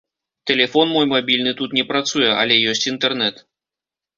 Тэлефон мой мабільны тут не працуе, але ёсць інтэрнэт.